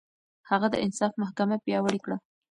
هغه د انصاف محکمه پياوړې کړه.